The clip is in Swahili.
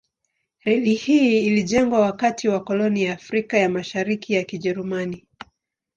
Reli hii ilijengwa wakati wa koloni ya Afrika ya Mashariki ya Kijerumani.